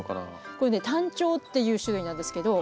これね「丹頂」っていう種類なんですけど。